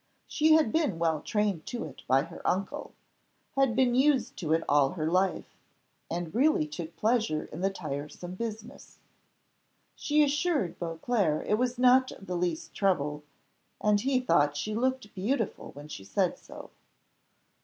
She had been well trained to it by her uncle; had been used to it all her life; and really took pleasure in the tiresome business. She assured Beauclerc it was not the least trouble, and he thought she looked beautiful when she said so.